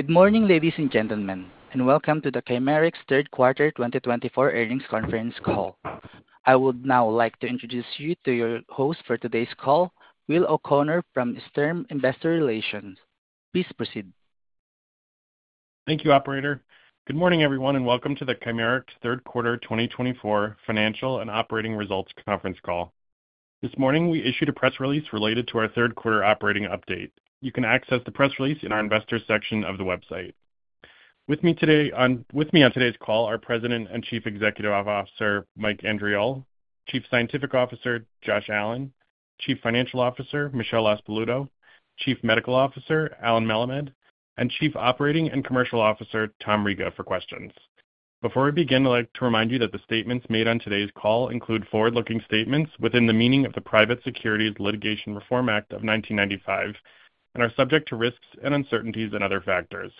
Good morning, ladies and gentlemen, and welcome to the Chimerix Q3 2024 Earnings Conference Call. I would now like to introduce you to your host for today's call, Will O'Connor from Stern Investor Relations. Please proceed. Thank you, Operator. Good morning, everyone, and welcome to the Chimerix Q3 2024 Financial and Operating Results Conference Call. This morning, we issued a press release related to our Q3 operating update. You can access the press release in our Investors section of the website. With me today on today's call are President and Chief Executive Officer Mike Andriole, Chief Scientific Officer Josh Allen, Chief Financial Officer Michelle LaSpaluto, Chief Medical Officer Allen Melemed, and Chief Operating and Commercial Officer Tom Riga for questions. Before we begin, I'd like to remind you that the statements made on today's call include forward-looking statements within the meaning of the Private Securities Litigation Reform Act of 1995 and are subject to risks and uncertainties and other factors.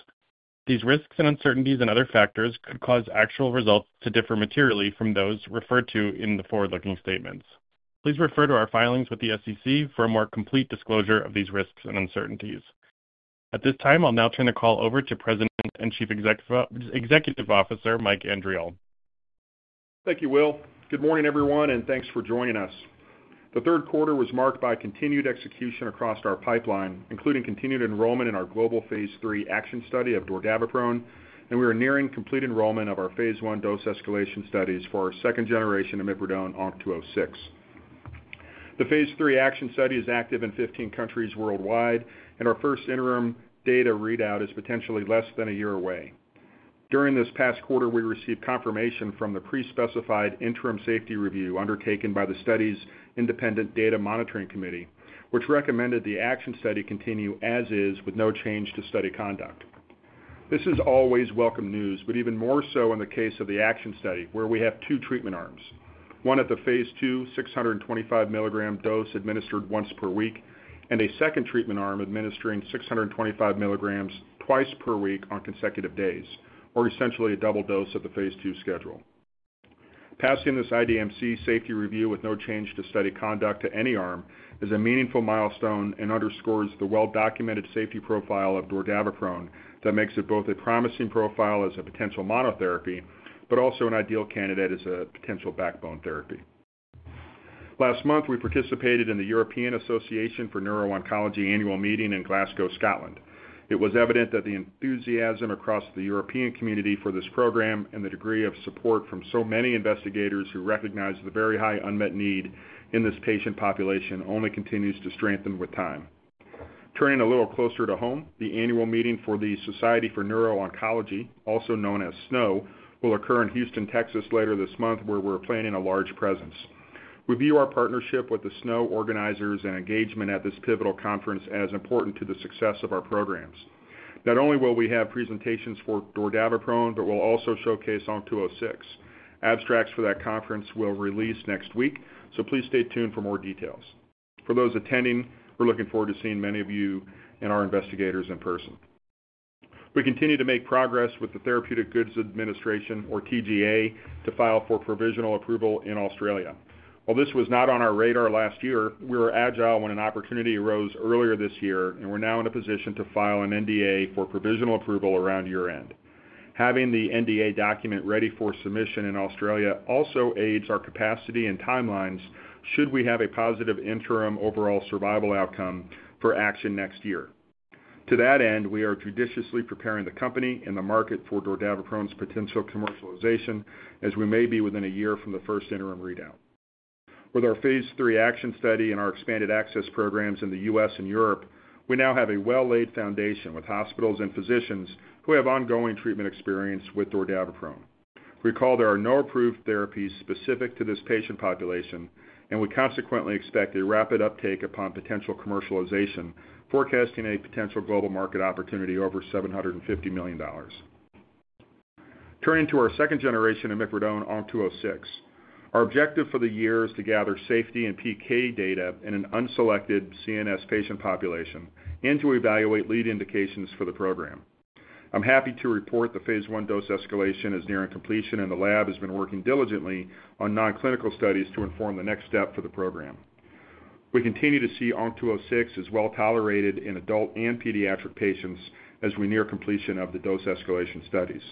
These risks and uncertainties and other factors could cause actual results to differ materially from those referred to in the forward-looking statements. Please refer to our filings with the SEC for a more complete disclosure of these risks and uncertainties. At this time, I'll now turn the call over to President and Chief Executive Officer Mike Andriole. Thank you, Will. Good morning, everyone, and thanks for joining us. The Q3 was marked by continued execution across our pipeline, including continued enrollment in our global phase III ACTION Study of dordaviprone, and we are nearing complete enrollment of our phase I dose escalation studies for our second-generation imipridone ONC206. The phase III ACTION Study is active in 15 countries worldwide, and our first interim data readout is potentially less than a year away. During this past quarter, we received confirmation from the pre-specified interim safety review undertaken by the study's independent data monitoring committee, which recommended the ACTION Study continue as is with no change to study conduct. This is always welcome news, but even more so in the case of the ACTION study, where we have two treatment arms: one at the phase II 625 mg dose administered once per week and a second treatment arm administering 625 mg twice per week on consecutive days, or essentially a double dose of the phase II schedule. Passing this IDMC safety review with no change to study conduct to any arm is a meaningful milestone and underscores the well-documented safety profile of dordaviprone that makes it both a promising profile as a potential monotherapy but also an ideal candidate as a potential backbone therapy. Last month, we participated in the European Association of Neuro-Oncology annual meeting in Glasgow, Scotland. It was evident that the enthusiasm across the European community for this program and the degree of support from so many investigators who recognize the very high unmet need in this patient population only continues to strengthen with time. Turning a little closer to home, the annual meeting for the Society for Neuro-Oncology, also known as SNO, will occur in Houston, Texas, later this month, where we're planning a large presence. We view our partnership with the SNO organizers and engagement at this pivotal conference as important to the success of our programs. Not only will we have presentations for dordaviprone, but we'll also showcase ONC206. Abstracts for that conference will release next week, so please stay tuned for more details. For those attending, we're looking forward to seeing many of you and our investigators in person. We continue to make progress with the Therapeutic Goods Administration, or TGA, to file for provisional approval in Australia. While this was not on our radar last year, we were agile when an opportunity arose earlier this year, and we're now in a position to file an NDA for provisional approval around year-end. Having the NDA document ready for submission in Australia also aids our capacity and timelines should we have a positive interim overall survival outcome for ACTION next year. To that end, we are judiciously preparing the company and the market for dordaviprone's potential commercialization, as we may be within a year from the first interim readout. With our phase III ACTION study and our expanded access programs in the U.S. and Europe, we now have a well-laid foundation with hospitals and physicians who have ongoing treatment experience with dordaviprone. Recall, there are no approved therapies specific to this patient population, and we consequently expect a rapid uptake upon potential commercialization, forecasting a potential global market opportunity over $750 million. Turning to our second-generation imipridone ONC206, our objective for the year is to gather safety and PK data in an unselected CNS patient population and to evaluate lead indications for the program. I'm happy to report the phase I dose escalation is nearing completion, and the lab has been working diligently on nonclinical studies to inform the next step for the program. We continue to see ONC206 is well tolerated in adult and pediatric patients as we near completion of the dose escalation studies.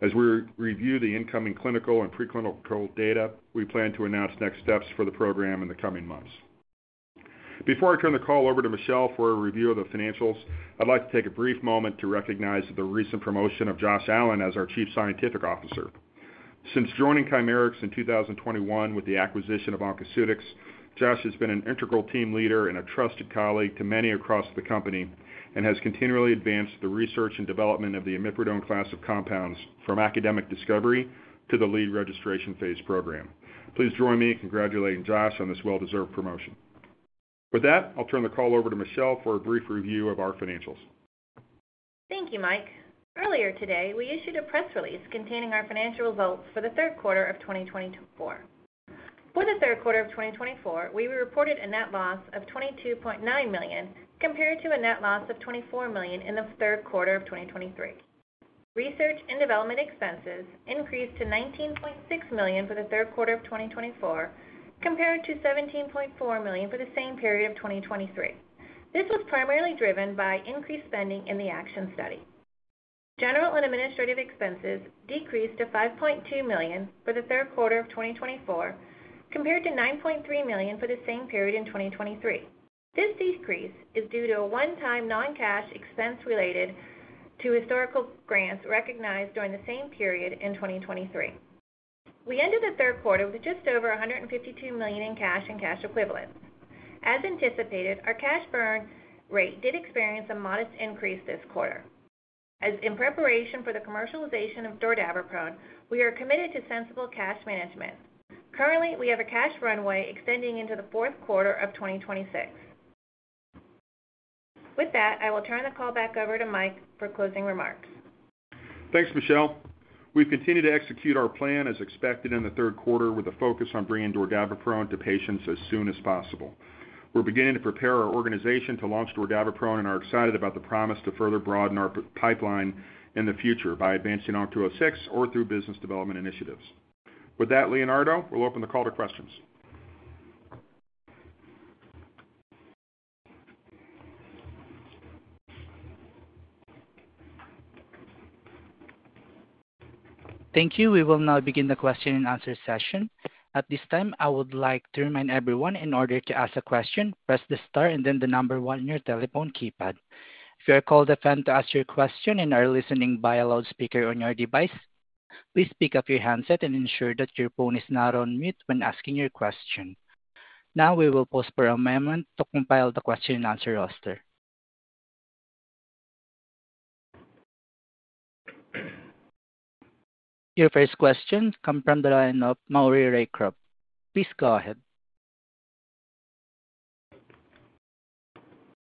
As we review the incoming clinical and preclinical data, we plan to announce next steps for the program in the coming months. Before I turn the call over to Michelle for a review of the financials, I'd like to take a brief moment to recognize the recent promotion of Josh Allen as our Chief Scientific Officer. Since joining Chimerix in 2021 with the acquisition of Oncoceutics, Josh has been an integral team leader and a trusted colleague to many across the company and has continually advanced the research and development of the imipridone class of compounds from academic discovery to the lead registration phase program. Please join me in congratulating Josh on this well-deserved promotion. With that, I'll turn the call over to Michelle for a brief review of our financials. Thank you, Mike. Earlier today, we issued a press release containing our financial results for the Q3 of 2024. For the Q3 of 2024, we reported a net loss of $22.9 million compared to a net loss of $24 million in the Q3 of 2023. Research and development expenses increased to $19.6 million for the Q3 of 2024 compared to $17.4 million for the same period of 2023. This was primarily driven by increased spending in the ACTION study. General and administrative expenses decreased to $5.2 million for the Q3 of 2024 compared to $9.3 million for the same period in 2023. This decrease is due to a one-time non-cash expense related to historical grants recognized during the same period in 2023. We ended the Q3 with just over $152 million in cash and cash equivalents. As anticipated, our cash burn rate did experience a modest increase this quarter. As in preparation for the commercialization of dordaviprone, we are committed to sensible cash management. Currently, we have a cash runway extending into the Q4 of 2026. With that, I will turn the call back over to Mike for closing remarks. Thanks, Michelle. We've continued to execute our plan as expected in the Q3 with a focus on bringing dordaviprone to patients as soon as possible. We're beginning to prepare our organization to launch dordaviprone and are excited about the promise to further broaden our pipeline in the future by advancing ONC206 or through business development initiatives. With that, Leonardo, we'll open the call to questions. Thank you. We will now begin the question and answer session. At this time, I would like to remind everyone in order to ask a question, press the star and then the number one on your telephone keypad. If you are called upon to ask your question and are listening by a loudspeaker on your device, please pick up your handset and ensure that your phone is not on mute when asking your question. Now, we will pause for a moment to compile the question and answer roster. Your first question comes from the line of Maury Raycroft. Please go ahead.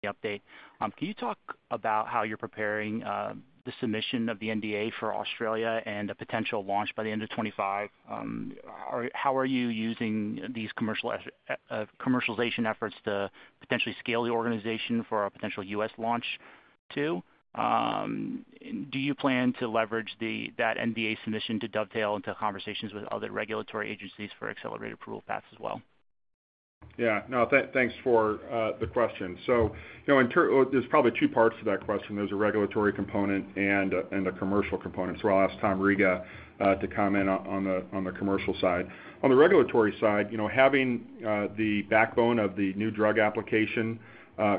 Update. Can you talk about how you're preparing the submission of the NDA for Australia and a potential launch by the end of 2025? How are you using these commercialization efforts to potentially scale the organization for a potential U.S. launch too? Do you plan to leverage that NDA submission to dovetail into conversations with other regulatory agencies for accelerated approval paths as well? Yeah. No, thanks for the question. So there's probably two parts to that question. There's a regulatory component and a commercial component. So I'll ask Tom Riga to comment on the commercial side. On the regulatory side, having the backbone of the new drug application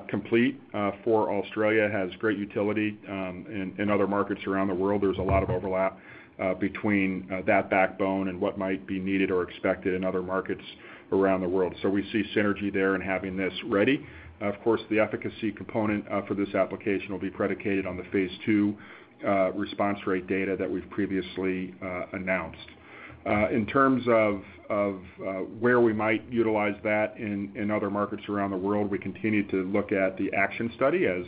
complete for Australia has great utility in other markets around the world. There's a lot of overlap between that backbone and what might be needed or expected in other markets around the world. So we see synergy there in having this ready. Of course, the efficacy component for this application will be predicated on the phase II response rate data that we've previously announced. In terms of where we might utilize that in other markets around the world, we continue to look at the ACTION study as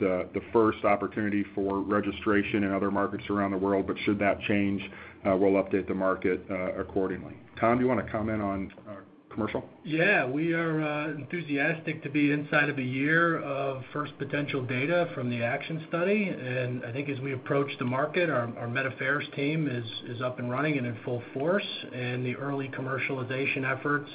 the first opportunity for registration in other markets around the world, but should that change, we'll update the market accordingly. Tom, do you want to comment on commercial? Yeah. We are enthusiastic to be inside of a year of first potential data from the ACTION study. I think as we approach the market, our medical affairs team is up and running and in full force, and the early commercialization efforts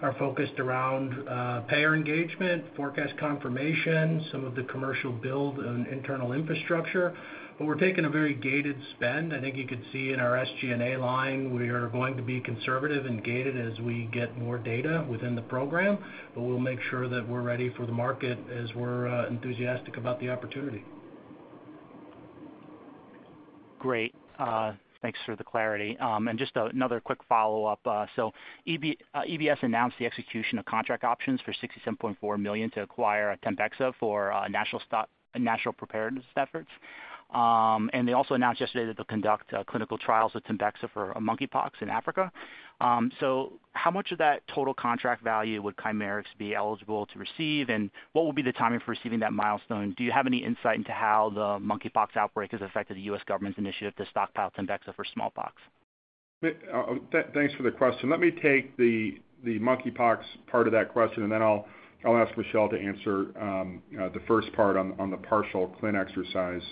are focused around payer engagement, forecast confirmation, some of the commercial build on internal infrastructure. But we're taking a very gated spend. I think you could see in our SG&A line, we are going to be conservative and gated as we get more data within the program, but we'll make sure that we're ready for the market as we're enthusiastic about the opportunity. Great. Thanks for the clarity. And just another quick follow-up. So EBS announced the execution of contract options for $67.4 million to acquire Tembexa for national preparedness efforts. And they also announced yesterday that they'll conduct clinical trials with Tembexa for monkeypox in Africa. So how much of that total contract value would Chimerix be eligible to receive, and what will be the timing for receiving that milestone? Do you have any insight into how the monkeypox outbreak has affected the U.S. government's initiative to stockpile Tembexa for smallpox? Thanks for the question. Let me take the monkeypox part of that question, and then I'll ask Michelle to answer the first part on the partial exercise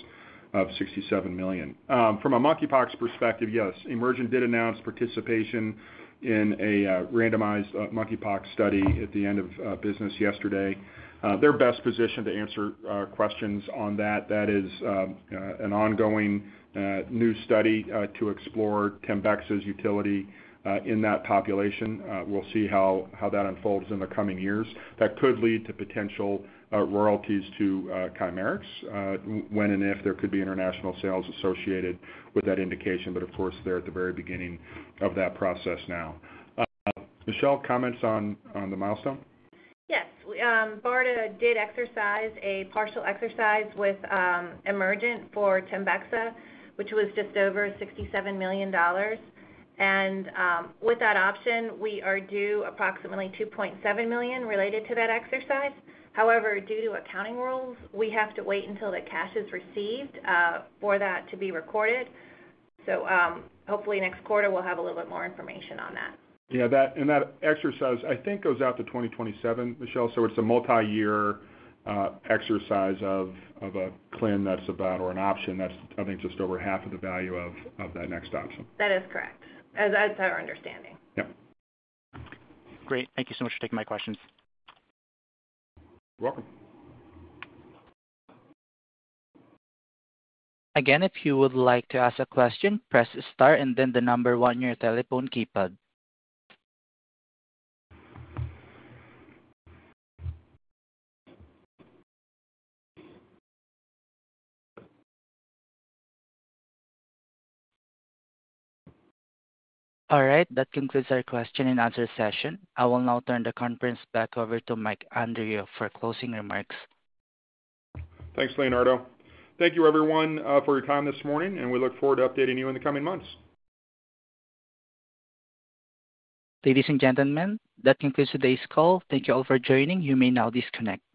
of $67 million. From a monkeypox perspective, yes. Emergent did announce participation in a randomized monkeypox study at the end of business yesterday. They're best positioned to answer questions on that. That is an ongoing new study to explore Tembexa's utility in that population. We'll see how that unfolds in the coming years. That could lead to potential royalties to Chimerix when and if there could be international sales associated with that indication, but of course, they're at the very beginning of that process now. Michelle, comments on the milestone? Yes. BARDA did exercise a partial exercise with Emergent for Tembexa, which was just over $67 million, and with that option, we are due approximately $2.7 million related to that exercise. However, due to accounting rules, we have to wait until the cash is received for that to be recorded, so hopefully, next quarter, we'll have a little bit more information on that. Yeah. And that exercise, I think, goes out to 2027, Michelle, so it's a multi-year exercise of a claim that's about or an option that's, I think, just over half of the value of that next option. That is correct, as our understanding. Yep. Great. Thank you so much for taking my questions. You're welcome. Again, if you would like to ask a question, press the star and then the number one on your telephone keypad. All right. That concludes our question and answer session. I will now turn the conference back over to Mike Andriole for closing remarks. Thanks, Leonardo. Thank you, everyone, for your time this morning, and we look forward to updating you in the coming months. Ladies and gentlemen, that concludes today's call. Thank you all for joining. You may now disconnect.